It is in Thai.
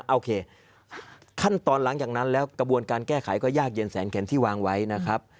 โอเคขั้นตอนหลังจากนั้นแล้วกระบวนการแก้ไขก็ยากเย็นแสนเข็นที่วางไว้นะครับ